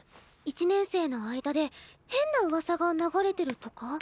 １年生の間で変なうわさが流れてるとか？